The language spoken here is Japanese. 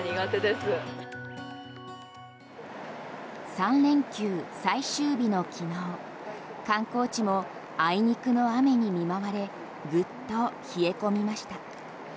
３連休最終日の昨日観光地もあいにくの雨に見舞われグッと冷え込みました。